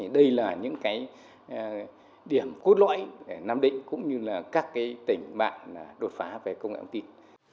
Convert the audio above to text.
đây là những cái điểm cốt lõi để nam định cũng như là các cái tỉnh bạn đột phá về công nghệ thông tin